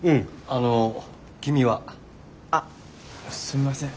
あの君は？あすみません。